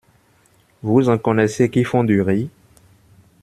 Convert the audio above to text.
Vous en connaissez qui font du riz?